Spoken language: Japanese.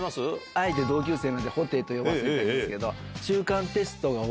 あえて同級生なんで布袋と呼ばせていただきますけど。